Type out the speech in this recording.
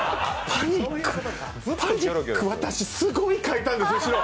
パニック、私、すごい書いたんです、後ろ。